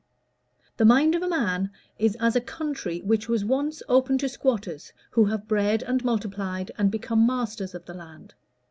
_ The mind of a man is as a country which was once open to squatters, who have bred and multiplied and become masters of the land.